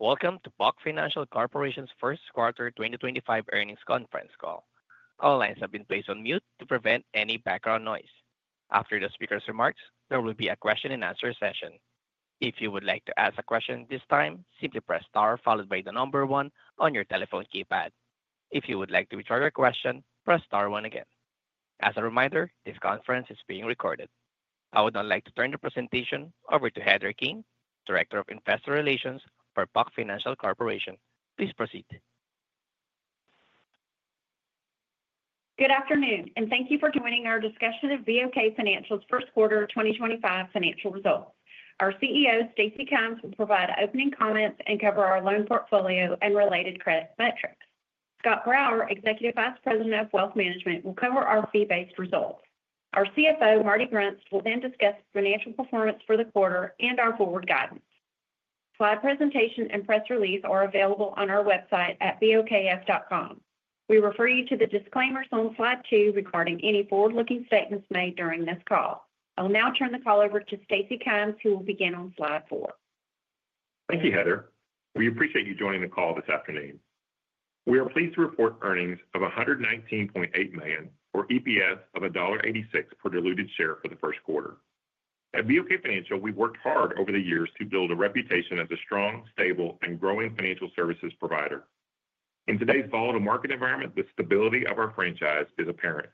Welcome to BOK Financial Corporation's First Quarter 2025 Earnings Conference Call. All lines have been placed on mute to prevent any background noise. After the speaker's remarks, there will be a question-and-answer session. If you would like to ask a question at this time, simply press star followed by the number one on your telephone keypad. If you would like to withdraw your question, press star one again. As a reminder, this conference is being recorded. I would now like to turn the presentation over to Heather King, Director of Investor Relations for BOK Financial Corporation. Please proceed. Good afternoon, and thank you for joining our discussion of BOK Financial's First Quarter 2025 financial results. Our CEO, Stacy Kymes, will provide opening comments and cover our loan portfolio and related credit metrics. Scott Grauer, Executive Vice President of Wealth Management, will cover our fee-based results. Our CFO, Marty Grunst, will then discuss financial performance for the quarter and our forward guidance. Slide presentation and press release are available on our website at BOKF.com. We refer you to the disclaimers on Slide 2 regarding any forward-looking statements made during this call. I'll now turn the call over to Stacy Kymes, who will begin on Slide 4. Thank you, Heather. We appreciate you joining the call this afternoon. We are pleased to report earnings of $119.8 million, or EPS of $1.86 per diluted share for the first quarter. At BOK Financial, we've worked hard over the years to build a reputation as a strong, stable, and growing financial services provider. In today's volatile market environment, the stability of our franchise is apparent.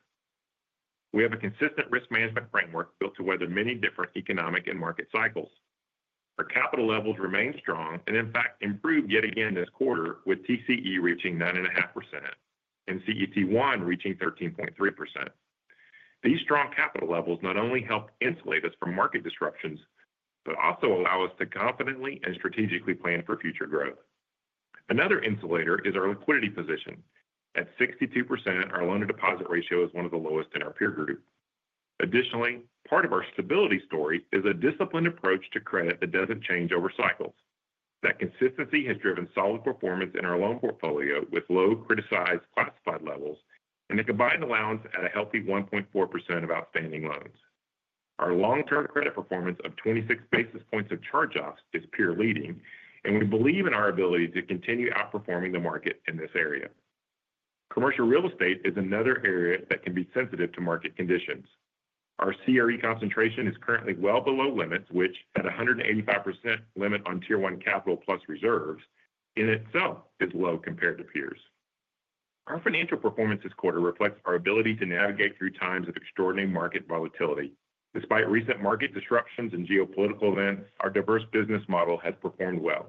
We have a consistent risk management framework built to weather many different economic and market cycles. Our capital levels remain strong and, in fact, improved yet again this quarter, with TCE reaching 9.5% and CET1 reaching 13.3%. These strong capital levels not only help insulate us from market disruptions, but also allow us to confidently and strategically plan for future growth. Another insulator is our liquidity position. At 62%, our loan-to-deposit ratio is one of the lowest in our peer group. Additionally, part of our stability story is a disciplined approach to credit that doesn't change over cycles. That consistency has driven solid performance in our loan portfolio with low criticized classified levels, and a combined allowance at a healthy 1.4% of outstanding loans. Our long-term credit performance of 26 basis points of charge-offs is peer-leading, and we believe in our ability to continue outperforming the market in this area. Commercial real estate is another area that can be sensitive to market conditions. Our CRE concentration is currently well below limits, which, at a 185% limit on Tier 1 capital plus reserves, in itself is low compared to peers. Our financial performance this quarter reflects our ability to navigate through times of extraordinary market volatility. Despite recent market disruptions and geopolitical events, our diverse business model has performed well.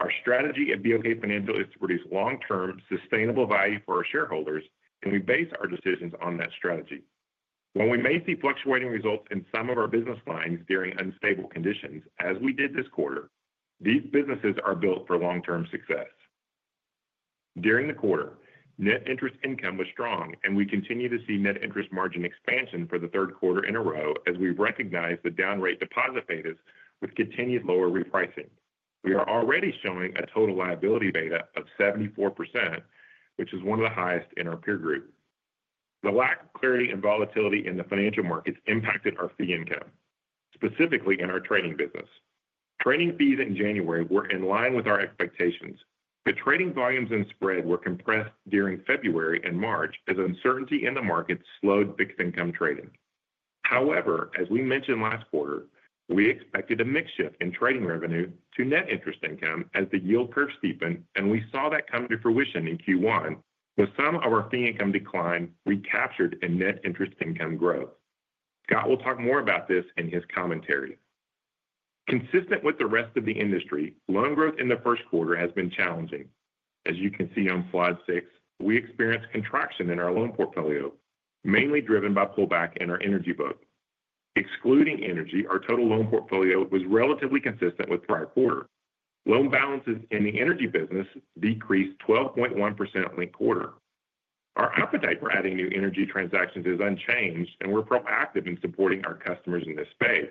Our strategy at BOK Financial is to produce long-term, sustainable value for our shareholders, and we base our decisions on that strategy. While we may see fluctuating results in some of our business lines during unstable conditions, as we did this quarter, these businesses are built for long-term success. During the quarter, net interest income was strong, and we continue to see net interest margin expansion for the third quarter in a row as we recognize the down-rate deposit beta with continued lower repricing. We are already showing a total liability beta of 74%, which is one of the highest in our peer group. The lack of clarity and volatility in the financial markets impacted our fee income, specifically in our trading business. Trading fees in January were in line with our expectations, but trading volumes and spread were compressed during February and March as uncertainty in the markets slowed fixed income trading. However, as we mentioned last quarter, we expected a mixed shift in trading revenue to net interest income as the yield curve steepened, and we saw that come to fruition in Q1. With some of our fee income decline, we captured in net interest income growth. Scott will talk more about this in his commentary. Consistent with the rest of the industry, loan growth in the first quarter has been challenging. As you can see on Slide 6, we experienced contraction in our loan portfolio, mainly driven by pullback in our energy book. Excluding energy, our total loan portfolio was relatively consistent with prior quarter. Loan balances in the energy business decreased 12.1% in the quarter. Our appetite for adding new energy transactions is unchanged, and we're proactive in supporting our customers in this space.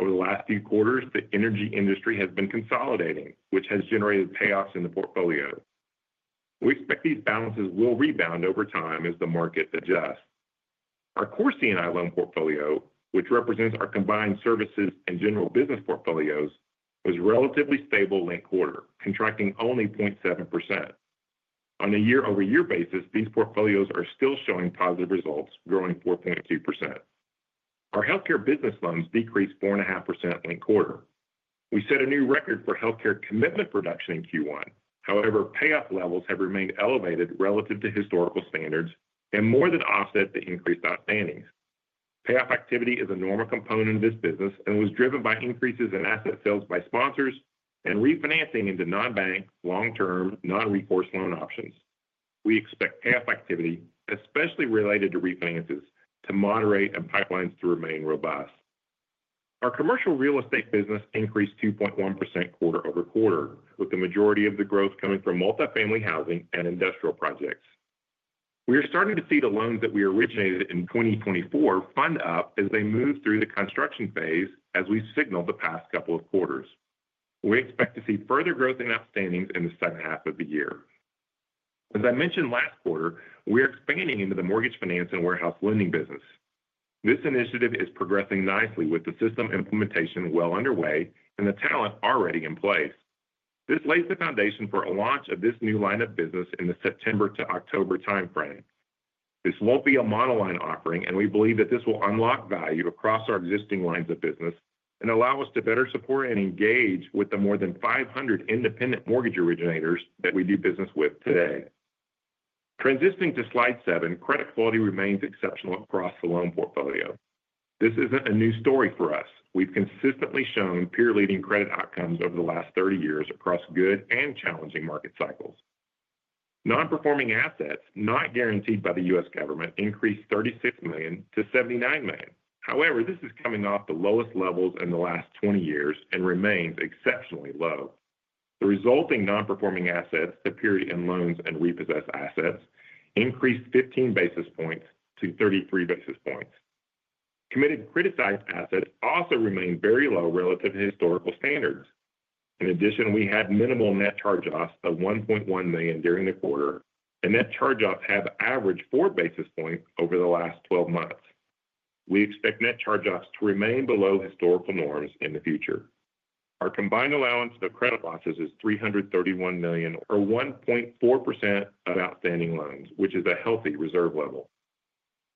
Over the last few quarters, the energy industry has been consolidating, which has generated payoffs in the portfolio. We expect these balances will rebound over time as the market adjusts. Our Core C&I loan portfolio, which represents our combined services and general business portfolios, was relatively stable late quarter, contracting only 0.7%. On a year-over-year basis, these portfolios are still showing positive results, growing 4.2%. Our healthcare business loans decreased 4.5% late quarter. We set a new record for healthcare commitment production in Q1. However, payoff levels have remained elevated relative to historical standards and more than offset the increased outstandings. Payoff activity is a normal component of this business and was driven by increases in asset sales by sponsors and refinancing into non-bank, long-term, non-recourse loan options. We expect payoff activity, especially related to refinances, to moderate and pipelines to remain robust. Our commercial real estate business increased 2.1% quarter over quarter, with the majority of the growth coming from multifamily housing and industrial projects. We are starting to see the loans that we originated in 2024 fund up as they move through the construction phase, as we've signaled the past couple of quarters. We expect to see further growth in outstandings in the second half of the year. As I mentioned last quarter, we are expanding into the mortgage finance and warehouse lending business. This initiative is progressing nicely with the system implementation well underway and the talent already in place. This lays the foundation for a launch of this new line of business in the September to October timeframe. This won't be a monoline offering, and we believe that this will unlock value across our existing lines of business and allow us to better support and engage with the more than 500 independent mortgage originators that we do business with today. Transitioning to Slide 7, credit quality remains exceptional across the loan portfolio. This isn't a new story for us. We've consistently shown peer-leading credit outcomes over the last 30 years across good and challenging market cycles. Non-performing assets not guaranteed by the U.S. government increased $36 million to $79 million. However, this is coming off the lowest levels in the last 20 years and remains exceptionally low. The resulting non-performing assets, to period-end loans and repossessed assets, increased 15 basis points to 33 basis points. Committed criticized assets also remain very low relative to historical standards. In addition, we had minimal net charge-offs of $1.1 million during the quarter, and net charge-offs have averaged 4 basis points over the last 12 months. We expect net charge-offs to remain below historical norms in the future. Our combined allowance for credit losses is $331 million, or 1.4% of outstanding loans, which is a healthy reserve level.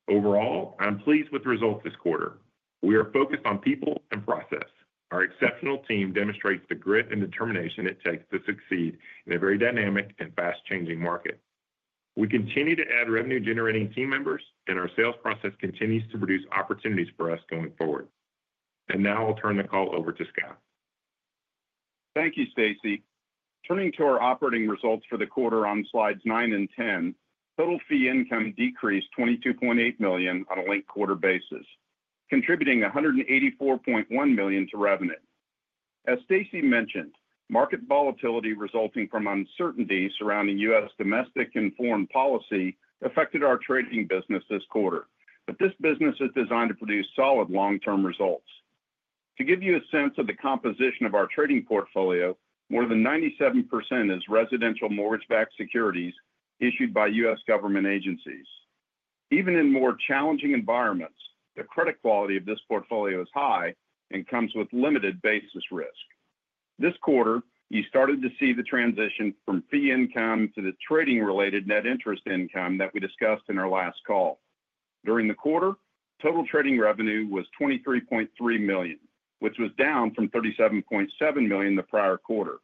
Overall, I'm pleased with the results this quarter. We are focused on people and process. Our exceptional team demonstrates the grit and determination it takes to succeed in a very dynamic and fast-changing market. We continue to add revenue-generating team members, and our sales process continues to produce opportunities for us going forward. I will now turn the call over to Scott. Thank you, Stacy. Turning to our operating results for the quarter on Slides 9 and 10, total fee income decreased $22.8 million on a late quarter basis, contributing $184.1 million to revenue. As Stacy mentioned, market volatility resulting from uncertainty surrounding U.S. domestic and foreign policy affected our trading business this quarter, but this business is designed to produce solid long-term results. To give you a sense of the composition of our trading portfolio, more than 97% is residential mortgage-backed securities issued by U.S. government agencies. Even in more challenging environments, the credit quality of this portfolio is high and comes with limited basis risk. This quarter, you started to see the transition from fee income to the trading-related net interest income that we discussed in our last call. During the quarter, total trading revenue was $23.3 million, which was down from $37.7 million the prior quarter.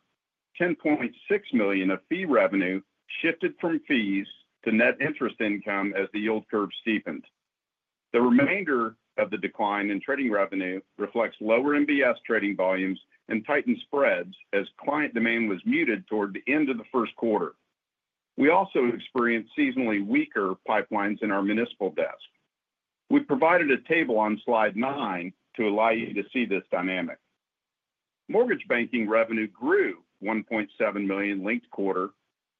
$10.6 million of fee revenue shifted from fees to net interest income as the yield curve steepened. The remainder of the decline in trading revenue reflects lower MBS trading volumes and tightened spreads as client demand was muted toward the end of the first quarter. We also experienced seasonally weaker pipelines in our municipal desk. We provided a table on Slide 9 to allow you to see this dynamic. Mortgage banking revenue grew $1.7 million linked quarter,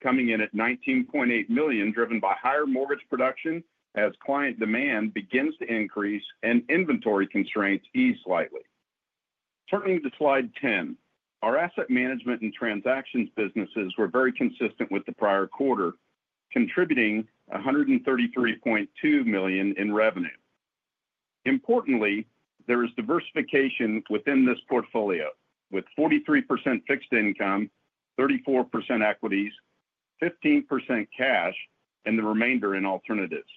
coming in at $19.8 million, driven by higher mortgage production as client demand begins to increase and inventory constraints ease slightly. Turning to Slide 10, our asset management and transactions businesses were very consistent with the prior quarter, contributing $133.2 million in revenue. Importantly, there is diversification within this portfolio, with 43% fixed income, 34% equities, 15% cash, and the remainder in alternatives.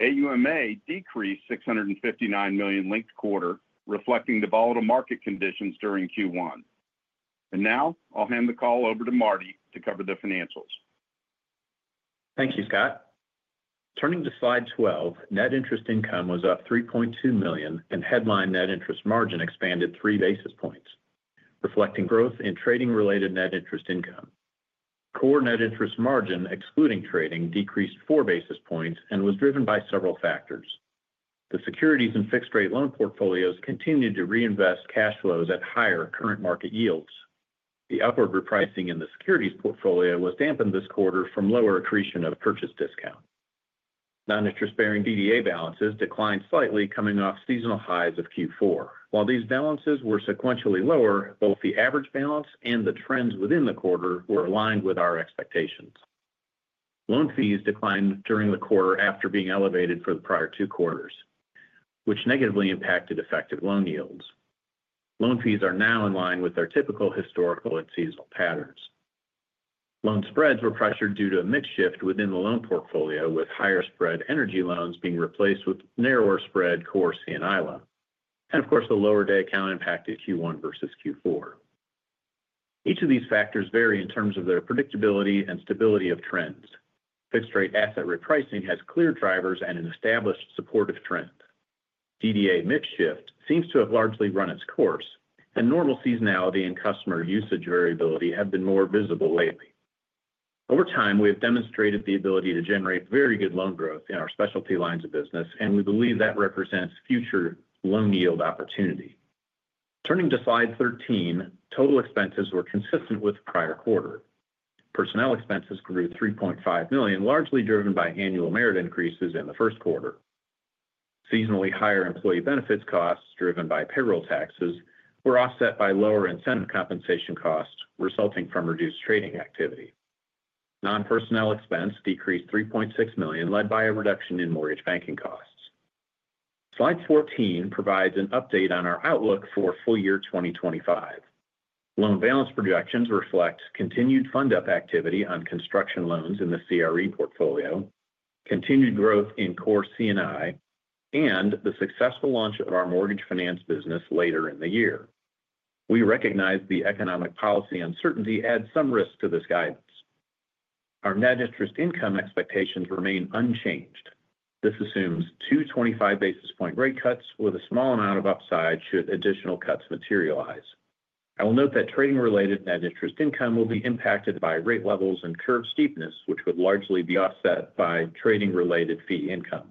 AUMA decreased $659 million linked quarter, reflecting the volatile market conditions during Q1. Now I'll hand the call over to Marty to cover the financials. Thank you, Scott. Turning to Slide 12, net interest income was up $3.2 million, and headline net interest margin expanded 3 basis points, reflecting growth in trading-related net interest income. Core net interest margin, excluding trading, decreased 4 basis points and was driven by several factors. The securities and fixed-rate loan portfolios continued to reinvest cash flows at higher current market yields. The upward repricing in the securities portfolio was dampened this quarter from lower accretion of purchase discount. Non-interest-bearing DDA balances declined slightly, coming off seasonal highs of Q4. While these balances were sequentially lower, both the average balance and the trends within the quarter were aligned with our expectations. Loan fees declined during the quarter after being elevated for the prior two quarters, which negatively impacted effective loan yields. Loan fees are now in line with their typical historical and seasonal patterns. Loan spreads were pressured due to a mixed shift within the loan portfolio, with higher-spread energy loans being replaced with narrower-spread core C&I loans. Of course, the lower day count impacted Q1 versus Q4. Each of these factors vary in terms of their predictability and stability of trends. Fixed-rate asset repricing has clear drivers and an established supportive trend. DDA mixed shift seems to have largely run its course, and normal seasonality and customer usage variability have been more visible lately. Over time, we have demonstrated the ability to generate very good loan growth in our specialty lines of business, and we believe that represents future loan yield opportunity. Turning to Slide 13, total expenses were consistent with prior quarter. Personnel expenses grew $3.5 million, largely driven by annual merit increases in the first quarter. Seasonally higher employee benefits costs, driven by payroll taxes, were offset by lower incentive compensation costs resulting from reduced trading activity. Non-personnel expense decreased $3.6 million, led by a reduction in mortgage banking costs. Slide 14 provides an update on our outlook for full year 2025. Loan balance projections reflect continued fund-up activity on construction loans in the CRE portfolio, continued growth in core C&I, and the successful launch of our mortgage finance business later in the year. We recognize the economic policy uncertainty adds some risk to this guidance. Our net interest income expectations remain unchanged. This assumes two 25 basis point rate cuts with a small amount of upside should additional cuts materialize. I will note that trading-related net interest income will be impacted by rate levels and curve steepness, which would largely be offset by trading-related fee income.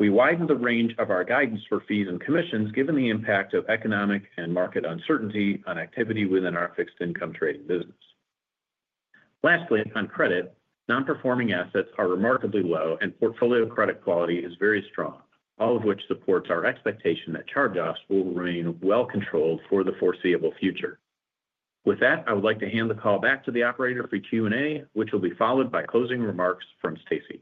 We widened the range of our guidance for fees and commissions given the impact of economic and market uncertainty on activity within our fixed-income trading business. Lastly, on credit, non-performing assets are remarkably low, and portfolio credit quality is very strong, all of which supports our expectation that charge-offs will remain well controlled for the foreseeable future. With that, I would like to hand the call back to the operator for Q&A, which will be followed by closing remarks from Stacy.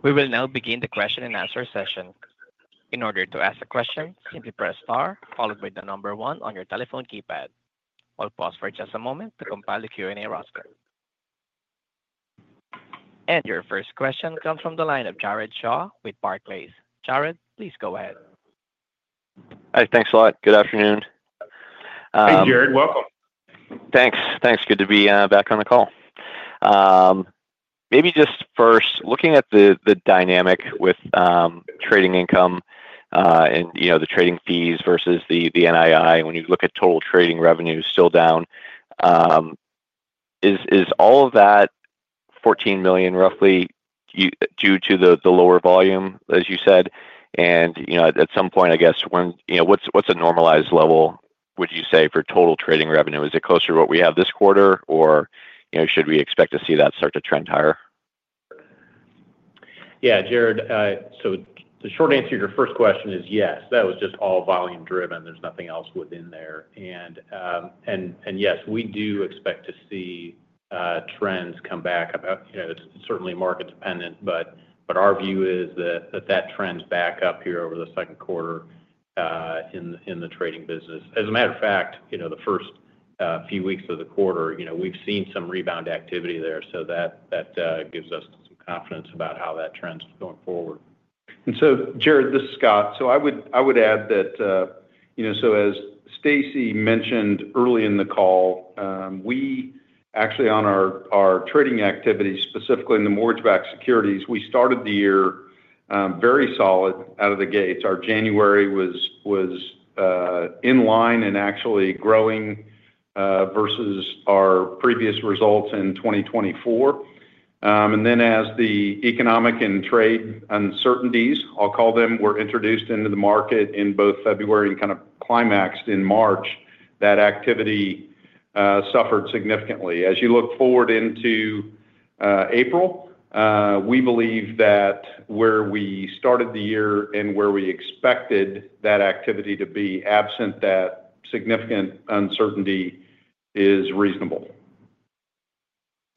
We will now begin the question and answer session. In order to ask a question, simply press star, followed by the number one on your telephone keypad. I'll pause for just a moment to compile the Q&A roster. Your first question comes from the line of Jared Shaw with Barclays. Jared, please go ahead. Hi, thanks a lot. Good afternoon. Hey, Jared, welcome. Thanks. Good to be back on the call. Maybe just first, looking at the dynamic with trading income and the trading fees versus the NII, when you look at total trading revenue still down, is all of that $14 million roughly due to the lower volume, as you said? At some point, I guess, what's a normalized level, would you say, for total trading revenue? Is it closer to what we have this quarter, or should we expect to see that start to trend higher? Yeah, Jared, the short answer to your first question is yes. That was just all volume-driven. There's nothing else within there. Yes, we do expect to see trends come back. It's certainly market-dependent, but our view is that that trend's back up here over the second quarter in the trading business. As a matter of fact, the first few weeks of the quarter, we've seen some rebound activity there, so that gives us some confidence about how that trend's going forward. Jared, this is Scott. I would add that, as Stacy mentioned early in the call, we actually, on our trading activity, specifically in the mortgage-backed securities, started the year very solid out of the gate. Our January was in line and actually growing versus our previous results in 2024. As the economic and trade uncertainties, I'll call them, were introduced into the market in both February and kind of climaxed in March, that activity suffered significantly. As you look forward into April, we believe that where we started the year and where we expected that activity to be absent, that significant uncertainty is reasonable.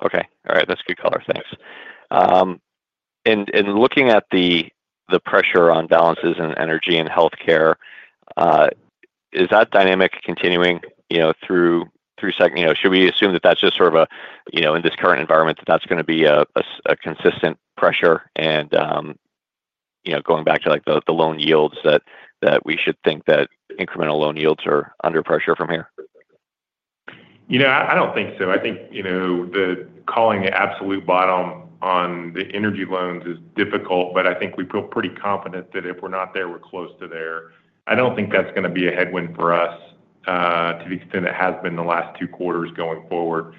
Okay. All right. That's good color. Thanks. Looking at the pressure on balances in energy and healthcare, is that dynamic continuing through second? Should we assume that that's just sort of a, in this current environment, that that's going to be a consistent pressure? Going back to the loan yields, should we think that incremental loan yields are under pressure from here? You know, I don't think so. I think calling the absolute bottom on the energy loans is difficult, but I think we feel pretty confident that if we're not there, we're close to there. I don't think that's going to be a headwind for us to the extent it has been the last two quarters going forward.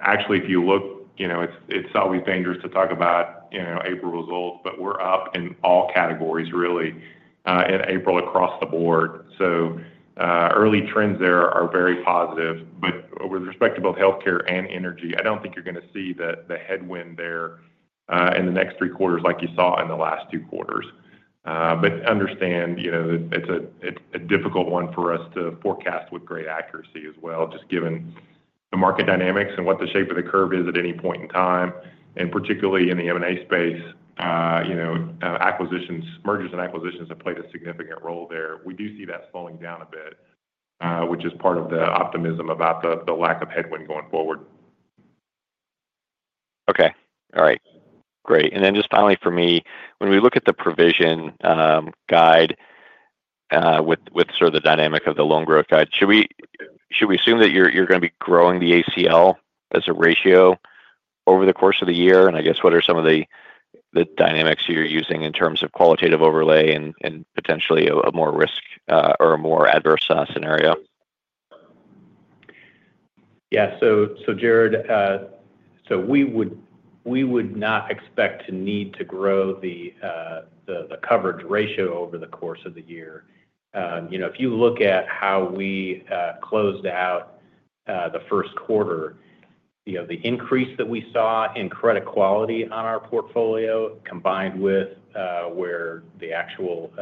Actually, if you look, it's always dangerous to talk about April results, but we're up in all categories, really, in April across the board. Early trends there are very positive. With respect to both healthcare and energy, I don't think you're going to see the headwind there in the next three quarters like you saw in the last two quarters. It is a difficult one for us to forecast with great accuracy as well, just given the market dynamics and what the shape of the curve is at any point in time. Particularly in the M&A space, mergers and acquisitions have played a significant role there. We do see that slowing down a bit, which is part of the optimism about the lack of headwind going forward. Okay. All right. Great. Just finally for me, when we look at the provision guide with sort of the dynamic of the loan growth guide, should we assume that you're going to be growing the ACL as a ratio over the course of the year? I guess, what are some of the dynamics you're using in terms of qualitative overlay and potentially a more risk or a more adverse scenario? Yeah. Jared, we would not expect to need to grow the coverage ratio over the course of the year. If you look at how we closed out the first quarter, the increase that we saw in credit quality on our portfolio combined with where the actual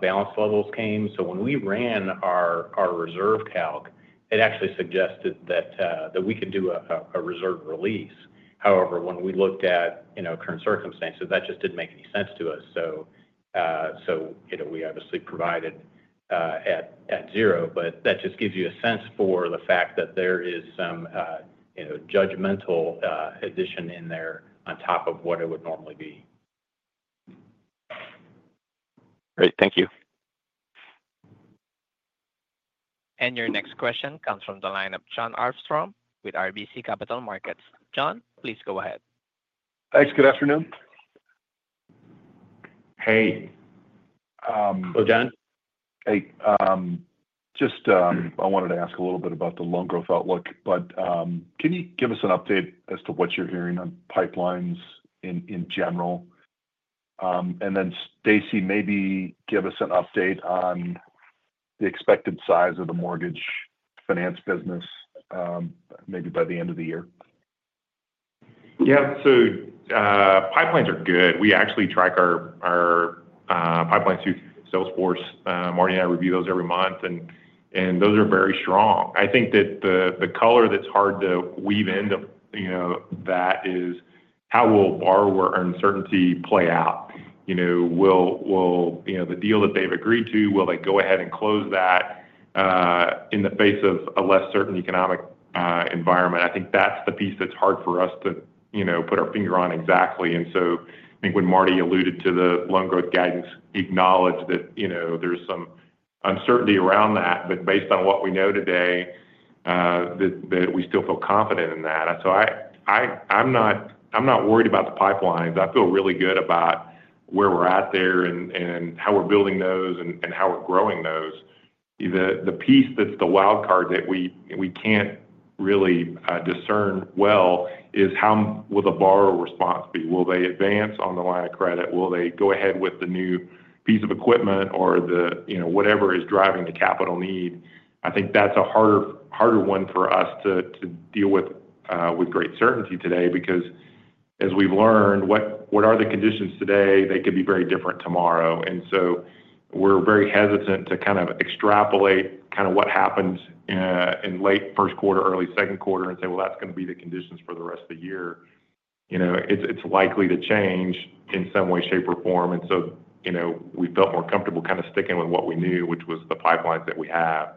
balance levels came. When we ran our reserve calc, it actually suggested that we could do a reserve release. However, when we looked at current circumstances, that just did not make any sense to us. We obviously provided at zero, but that just gives you a sense for the fact that there is some judgmental addition in there on top of what it would normally be. Great. Thank you. Your next question comes from the line of Jon Arfstrom with RBC Capital Markets. John, please go ahead. Thanks. Good afternoon. Hey. Hello, John. Hey. Just I wanted to ask a little bit about the loan growth outlook, but can you give us an update as to what you're hearing on pipelines in general? Then Stacy, maybe give us an update on the expected size of the mortgage finance business maybe by the end of the year. Yeah. Pipelines are good. We actually track our pipelines through Salesforce. Marty and I review those every month, and those are very strong. I think that the color that's hard to weave into that is how will borrower uncertainty play out? Will the deal that they've agreed to, will they go ahead and close that in the face of a less certain economic environment? I think that's the piece that's hard for us to put our finger on exactly. I think when Marty alluded to the loan growth guidance, acknowledged that there's some uncertainty around that, but based on what we know today, we still feel confident in that. I'm not worried about the pipelines. I feel really good about where we're at there and how we're building those and how we're growing those. The piece that's the wild card that we can't really discern well is how will the borrower response be? Will they advance on the line of credit? Will they go ahead with the new piece of equipment or whatever is driving the capital need? I think that's a harder one for us to deal with with great certainty today because as we've learned, what are the conditions today? They could be very different tomorrow. We are very hesitant to kind of extrapolate kind of what happens in late first quarter, early second quarter, and say, "That's going to be the conditions for the rest of the year." It's likely to change in some way, shape, or form. We felt more comfortable kind of sticking with what we knew, which was the pipelines that we have.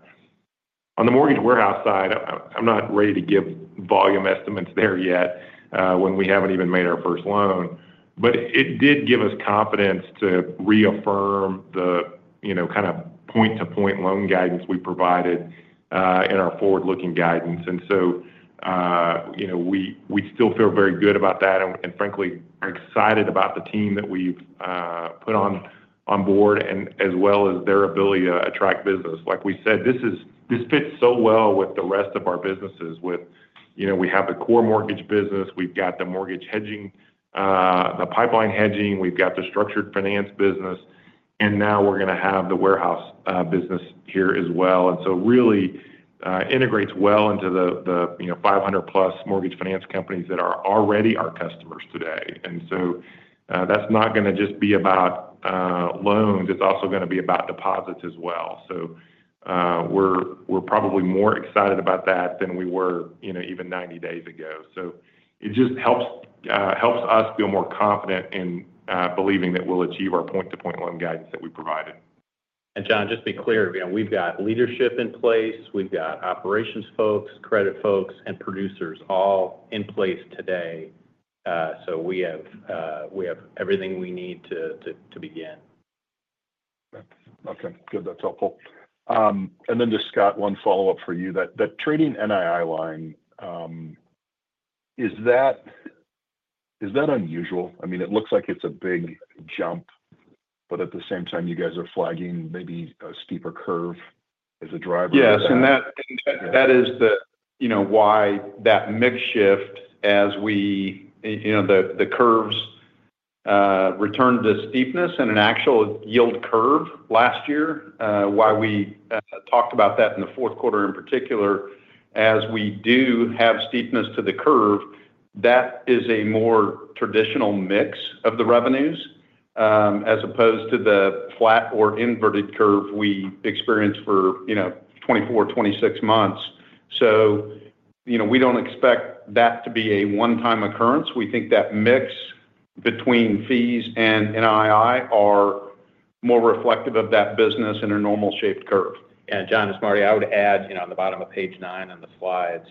On the mortgage warehouse side, I'm not ready to give volume estimates there yet when we haven't even made our first loan, but it did give us confidence to reaffirm the kind of point-to-point loan guidance we provided in our forward-looking guidance. We still feel very good about that and, frankly, are excited about the team that we've put on board as well as their ability to attract business. Like we said, this fits so well with the rest of our businesses. We have the core mortgage business. We've got the mortgage hedging, the pipeline hedging. We've got the structured finance business. Now we're going to have the warehouse business here as well. It really integrates well into the 500-+ mortgage finance companies that are already our customers today. That's not going to just be about loans. It's also going to be about deposits as well. We are probably more excited about that than we were even 90 days ago. It just helps us feel more confident in believing that we'll achieve our point-to-point loan guidance that we provided. John, just to be clear, we've got leadership in place. We've got operations folks, credit folks, and producers all in place today. We have everything we need to begin. Okay. Good. That's helpful. And then just Scott, one follow-up for you. That trading NII line, is that unusual? I mean, it looks like it's a big jump, but at the same time, you guys are flagging maybe a steeper curve as a driver. Yes. That is why that mix shift as we the curves returned to steepness and an actual yield curve last year, why we talked about that in the fourth quarter in particular. As we do have steepness to the curve, that is a more traditional mix of the revenues as opposed to the flat or inverted curve we experienced for 24-26 months. We do not expect that to be a one-time occurrence. We think that mix between fees and NII are more reflective of that business in a normal-shaped curve. Yeah. John, as Marty, I would add on the bottom of page nine on the slides,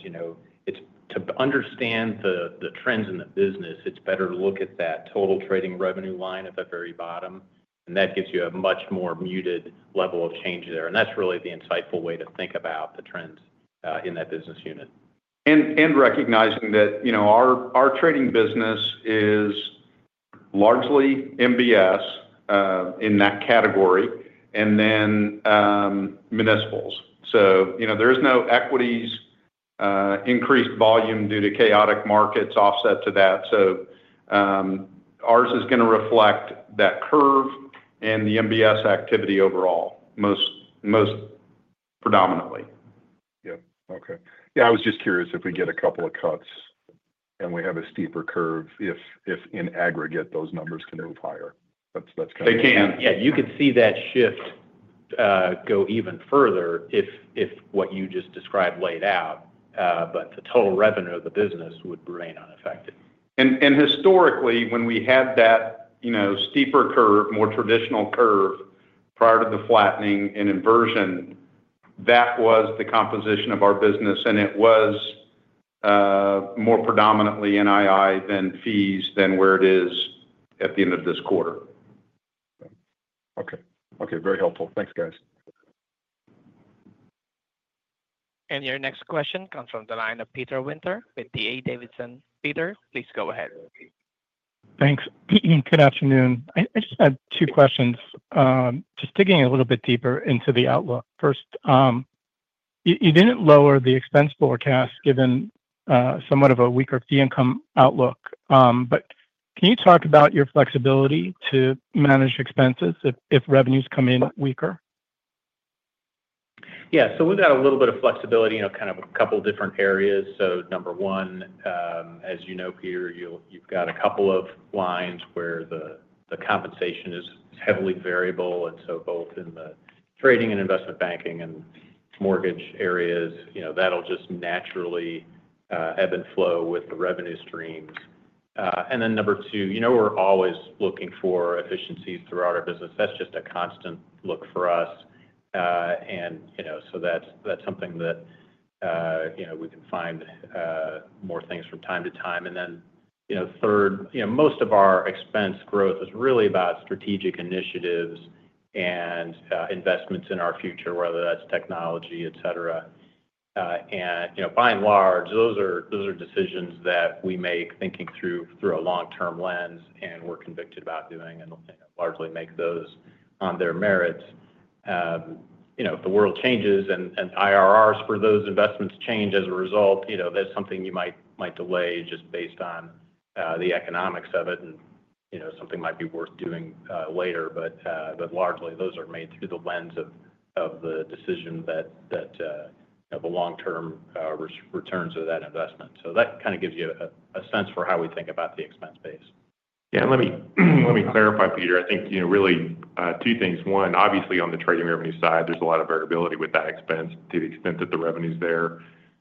to understand the trends in the business, it's better to look at that total trading revenue line at the very bottom. That gives you a much more muted level of change there. That is really the insightful way to think about the trends in that business unit. Recognizing that our trading business is largely MBS in that category and then municipal. There is no equities increased volume due to chaotic markets offset to that. Ours is going to reflect that curve and the MBS activity overall, most predominantly. Yeah. Okay. Yeah. I was just curious if we get a couple of cuts and we have a steeper curve, if in aggregate, those numbers can move higher. That's kind of. They can. Yeah. You could see that shift go even further if what you just described laid out, but the total revenue of the business would remain unaffected. Historically, when we had that steeper curve, more traditional curve prior to the flattening and inversion, that was the composition of our business. It was more predominantly NII than fees than where it is at the end of this quarter. Okay. Okay. Very helpful. Thanks, guys. Your next question comes from the line of Peter Winter with D.A. Davidson. Peter, please go ahead. Thanks. Good afternoon. I just had two questions. Just digging a little bit deeper into the outlook. First, you did not lower the expense forecast given somewhat of a weaker fee income outlook, but can you talk about your flexibility to manage expenses if revenues come in weaker? Yeah. We've got a little bit of flexibility in kind of a couple of different areas. Number one, as you know, Peter, you've got a couple of lines where the compensation is heavily variable. Both in the trading and investment banking and mortgage areas, that'll just naturally ebb and flow with the revenue streams. Number two, we're always looking for efficiencies throughout our business. That's just a constant look for us. That's something that we can find more things from time to time. Third, most of our expense growth is really about strategic initiatives and investments in our future, whether that's technology, etc. By and large, those are decisions that we make thinking through a long-term lens. We're convicted about doing and largely make those on their merits. If the world changes and IRRs for those investments change as a result, that's something you might delay just based on the economics of it. Something might be worth doing later. Largely, those are made through the lens of the decision that the long-term returns of that investment. That kind of gives you a sense for how we think about the expense base. Yeah. Let me clarify, Peter. I think really two things. One, obviously on the trading revenue side, there's a lot of variability with that expense to the extent that the revenue's there.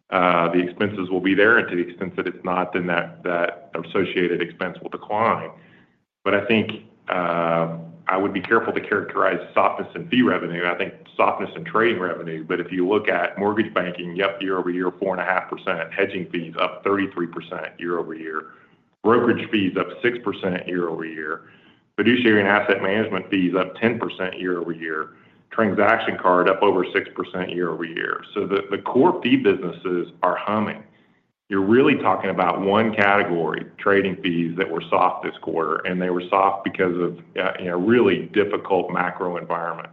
The expenses will be there. To the extent that it's not, then that associated expense will decline. I think I would be careful to characterize softness in fee revenue. I think softness in trading revenue. If you look at mortgage banking, yep, year over year, 4.5%. Hedging fees up 33% year over year. Brokerage fees up 6% year over year. Fiduciary and asset management fees up 10% year over year. Transaction card up over 6% year over year. The core fee businesses are humming. You're really talking about one category, trading fees, that were soft this quarter. They were soft because of a really difficult macro environment.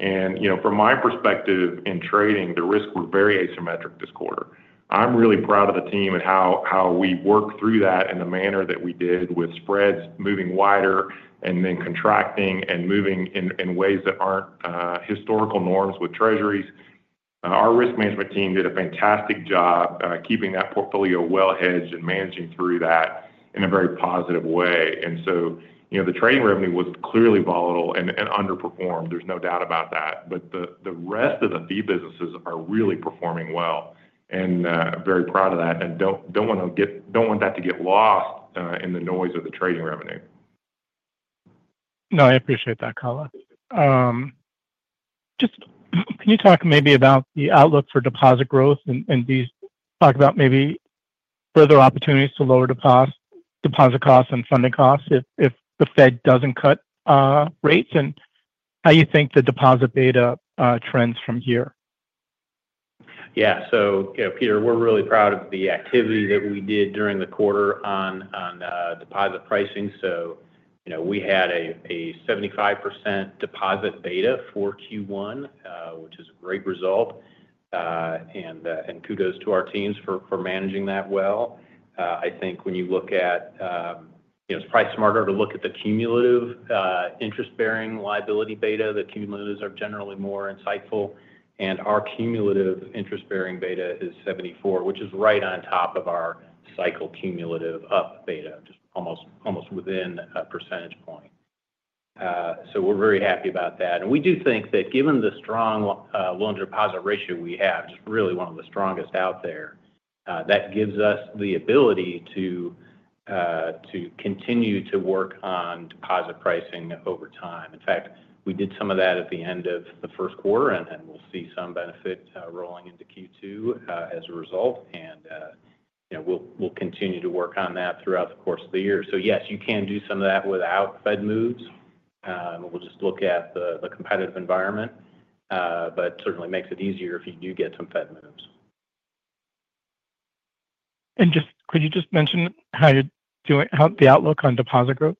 From my perspective in trading, the risks were very asymmetric this quarter. I am really proud of the team and how we worked through that in the manner that we did with spreads moving wider and then contracting and moving in ways that are not historical norms with treasuries. Our risk management team did a fantastic job keeping that portfolio well hedged and managing through that in a very positive way. The trading revenue was clearly volatile and underperformed. There is no doubt about that. The rest of the fee businesses are really performing well. I am very proud of that. I do not want that to get lost in the noise of the trading revenue. No, I appreciate that, color. Just can you talk maybe about the outlook for deposit growth and talk about maybe further opportunities to lower deposit costs and funding costs if the Fed does not cut rates and how you think the deposit beta trends from here? Yeah. Peter, we're really proud of the activity that we did during the quarter on deposit pricing. We had a 75% deposit beta for Q1, which is a great result. Kudos to our teams for managing that well. I think when you look at it, it's probably smarter to look at the cumulative interest-bearing liability beta. The cumulatives are generally more insightful. Our cumulative interest-bearing beta is 74%, which is right on top of our cycle cumulative up beta, just almost within a percentage point. We're very happy about that. We do think that given the strong loan-to-deposit ratio we have, just really one of the strongest out there, that gives us the ability to continue to work on deposit pricing over time. In fact, we did some of that at the end of the first quarter, and we'll see some benefit rolling into Q2 as a result. We'll continue to work on that throughout the course of the year. Yes, you can do some of that without Fed moves. We'll just look at the competitive environment, but it certainly makes it easier if you do get some Fed moves. Could you just mention how the outlook on deposit growth?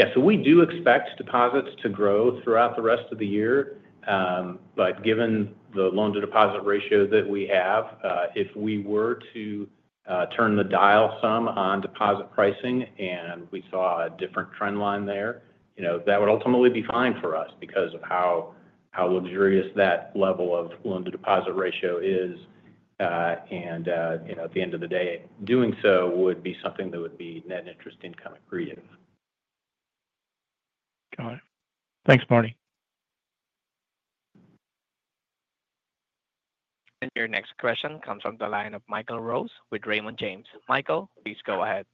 Yeah. We do expect deposits to grow throughout the rest of the year. Given the loan-to-deposit ratio that we have, if we were to turn the dial some on deposit pricing and we saw a different trend line there, that would ultimately be fine for us because of how luxurious that level of loan-to-deposit ratio is. At the end of the day, doing so would be something that would be net interest income accretive. Got it. Thanks, Marty. Your next question comes from the line of Michael Rose with Raymond James. Michael, please go ahead.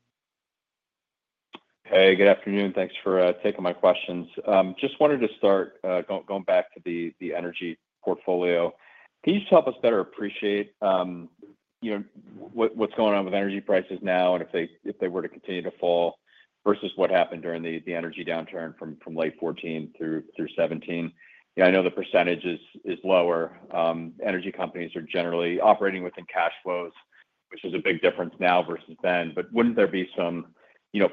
Hey, good afternoon. Thanks for taking my questions. Just wanted to start going back to the energy portfolio. Can you just help us better appreciate what's going on with energy prices now and if they were to continue to fall versus what happened during the energy downturn from late 2014 through 2017? I know the percentage is lower. Energy companies are generally operating within cash flows, which is a big difference now versus then. Wouldn't there be some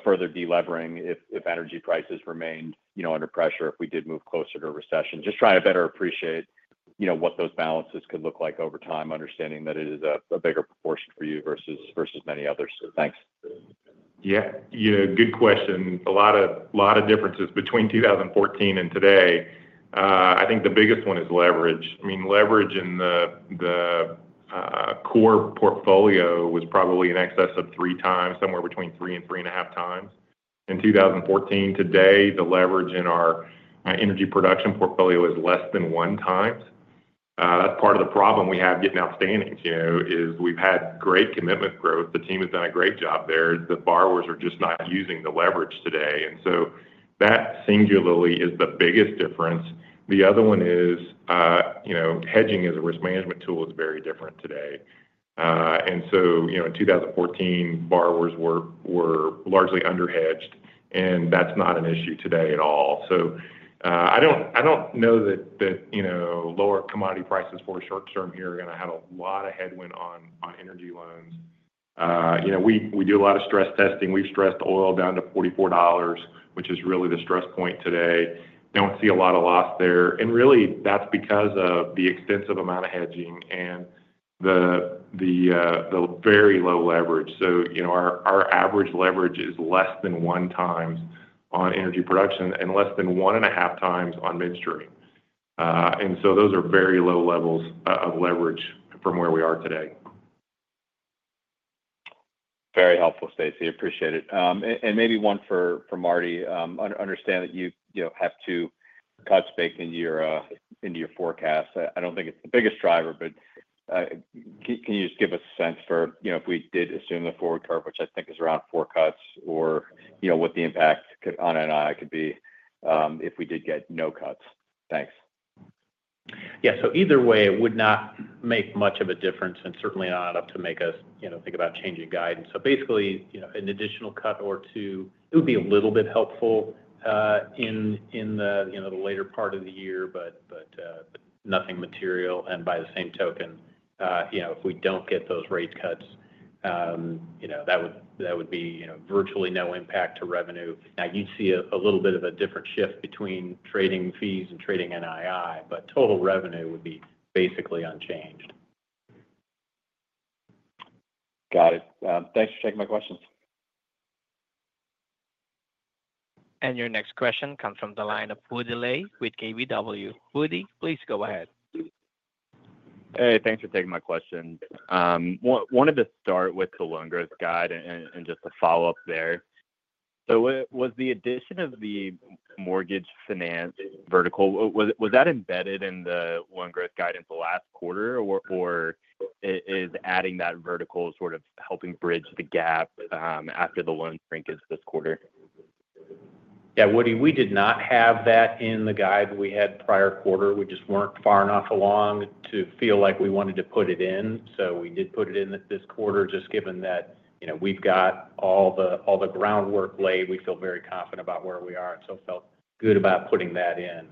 further delevering if energy prices remained under pressure if we did move closer to a recession? Just trying to better appreciate what those balances could look like over time, understanding that it is a bigger proportion for you versus many others. Thanks. Yeah. Good question. A lot of differences between 2014 and today. I think the biggest one is leverage. I mean, leverage in the core portfolio was probably in excess of three times, somewhere between three and three and a half times. In 2014, today, the leverage in our energy production portfolio is less than one times. That's part of the problem we have getting outstanding is we've had great commitment growth. The team has done a great job there. The borrowers are just not using the leverage today. That singularly is the biggest difference. The other one is hedging as a risk management tool is very different today. In 2014, borrowers were largely underhedged, and that's not an issue today at all. I don't know that lower commodity prices for a short term here are going to have a lot of headwind on energy loans. We do a lot of stress testing. We've stressed oil down to $44, which is really the stress point today. Do not see a lot of loss there. That is because of the extensive amount of hedging and the very low leverage. Our average leverage is less than one times on energy production and less than one and a half times on midstream. Those are very low levels of leverage from where we are today. Very helpful, Stacy. Appreciate it. Maybe one for Marty. Understand that you have to cut space into your forecast. I do not think it is the biggest driver, but can you just give us a sense for if we did assume the forward curve, which I think is around four cuts, or what the impact on NII could be if we did get no cuts? Thanks. Yeah. Either way, it would not make much of a difference and certainly not enough to make us think about changing guidance. Basically, an additional cut or two, it would be a little bit helpful in the later part of the year, but nothing material. By the same token, if we do not get those rate cuts, that would be virtually no impact to revenue. Now, you'd see a little bit of a different shift between trading fees and trading NII, but total revenue would be basically unchanged. Got it. Thanks for taking my questions. Your next question comes from the line of Woody Lay with KBW. Woody, please go ahead. Hey, thanks for taking my question. Wanted to start with the loan growth guide and just a follow-up there. Was the addition of the mortgage finance vertical, was that embedded in the loan growth guide in the last quarter, or is adding that vertical sort of helping bridge the gap after the loan shrink this quarter? Yeah. Woody, we did not have that in the guide we had prior quarter. We just were not far enough along to feel like we wanted to put it in. We did put it in this quarter just given that we have got all the groundwork laid. We feel very confident about where we are. We felt good about putting that in.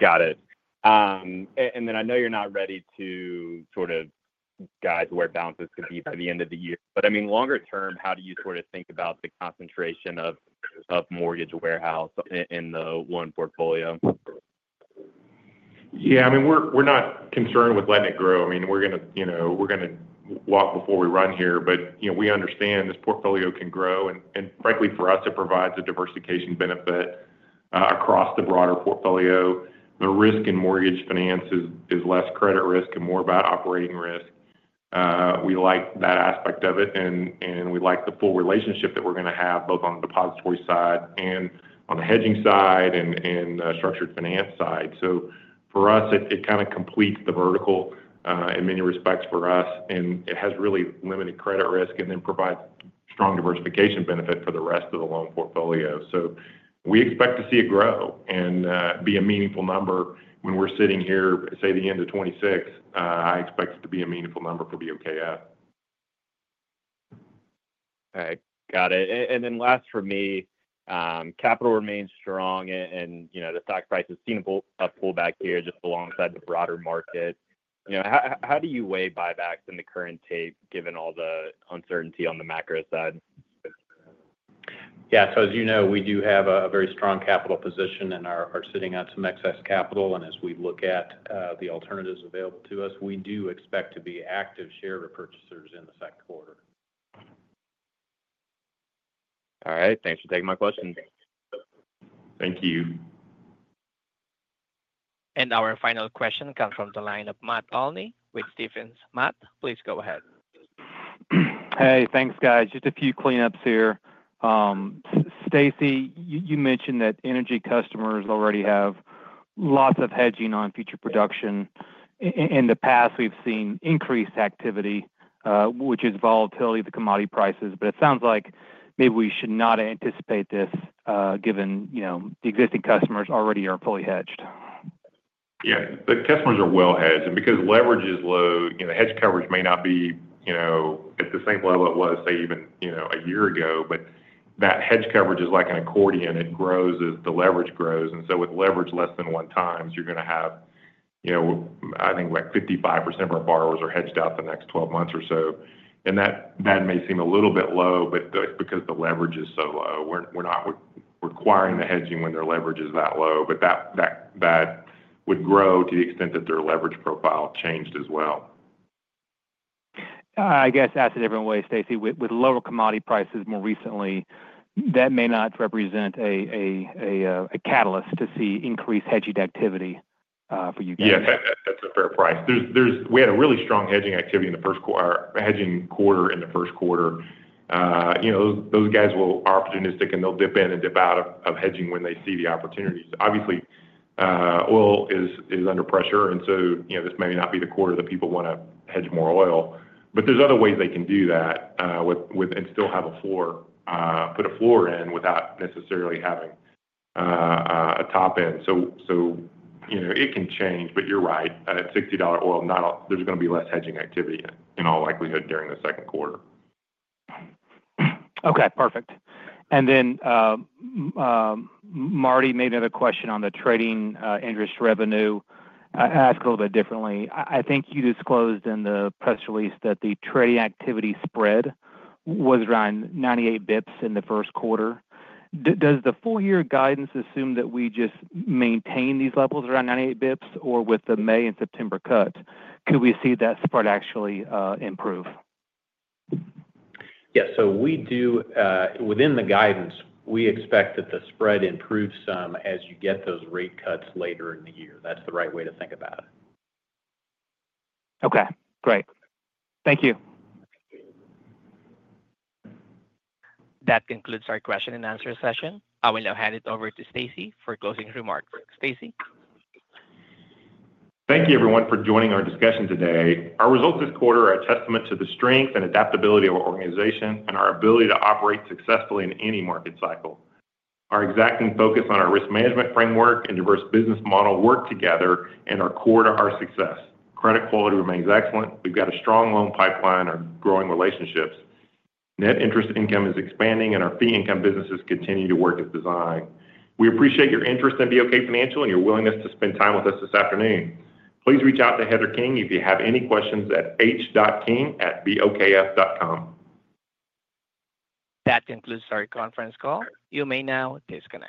Got it. I know you're not ready to sort of guide to where balances could be by the end of the year. I mean, longer term, how do you sort of think about the concentration of mortgage warehouse in the one portfolio? Yeah. I mean, we're not concerned with letting it grow. I mean, we're going to walk before we run here. We understand this portfolio can grow. Frankly, for us, it provides a diversification benefit across the broader portfolio. The risk in mortgage finance is less credit risk and more about operating risk. We like that aspect of it. We like the full relationship that we're going to have both on the depository side and on the hedging side and the structured finance side. For us, it kind of completes the vertical in many respects for us. It has really limited credit risk and then provides strong diversification benefit for the rest of the loan portfolio. We expect to see it grow and be a meaningful number when we're sitting here, say, the end of 2026. I expect it to be a meaningful number for BOKF. Okay. Got it. Last for me, capital remains strong. The stock price has seen a pullback here just alongside the broader market. How do you weigh buybacks in the current tape given all the uncertainty on the macro side? Yeah. As you know, we do have a very strong capital position and are sitting on some excess capital. As we look at the alternatives available to us, we do expect to be active share purchasers in the second quarter. All right. Thanks for taking my questions. Thank you. Our final question comes from the line of Matt Olney with Stephens. Matt, please go ahead. Hey, thanks, guys. Just a few cleanups here. Stacy, you mentioned that energy customers already have lots of hedging on future production. In the past, we've seen increased activity, which is volatility of the commodity prices. It sounds like maybe we should not anticipate this given the existing customers already are fully hedged. Yeah. The customers are well hedged. Because leverage is low, hedge coverage may not be at the same level it was, say, even a year ago. That hedge coverage is like an accordion. It grows as the leverage grows. With leverage less than one times, you're going to have, I think, like 55% of our borrowers are hedged out the next 12 months or so. That may seem a little bit low, but that's because the leverage is so low. We're not requiring the hedging when their leverage is that low. That would grow to the extent that their leverage profile changed as well. I guess asked a different way, Stacy. With lower commodity prices more recently, that may not represent a catalyst to see increased hedging activity for you guys. Yeah. That's a fair price. We had a really strong hedging activity in the first quarter, hedging quarter in the first quarter. Those guys will opportunistic and they'll dip in and dip out of hedging when they see the opportunities. Obviously, oil is under pressure. This may not be the quarter that people want to hedge more oil. There are other ways they can do that and still have a floor, put a floor in without necessarily having a top end. It can change. You're right. At $60 oil, there's going to be less hedging activity in all likelihood during the second quarter. Okay. Perfect. Marty, another question on the trading interest revenue. I'll ask a little bit differently. I think you disclosed in the press release that the trading activity spread was around 98 basis points in the first quarter. Does the full-year guidance assume that we just maintain these levels around 98 basis points or with the May and September cut, could we see that spread actually improve? Yeah. Within the guidance, we expect that the spread improves some as you get those rate cuts later in the year. That's the right way to think about it. Okay. Great. Thank you. That concludes our question and answer session. I will now hand it over to Stacy for closing remarks. Stacy. Thank you, everyone, for joining our discussion today. Our results this quarter are a testament to the strength and adaptability of our organization and our ability to operate successfully in any market cycle. Our exacting focus on our risk management framework and diverse business model work together and are core to our success. Credit quality remains excellent. We've got a strong loan pipeline and are growing relationships. Net interest income is expanding and our fee income businesses continue to work as designed. We appreciate your interest in BOK Financial and your willingness to spend time with us this afternoon. Please reach out to Heather King if you have any questions at h.king@bokf.com. That concludes our conference call. You may now disconnect.